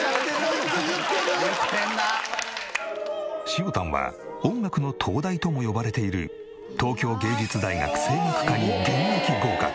しおたんは音楽の東大とも呼ばれている東京藝術大学声楽科に現役合格。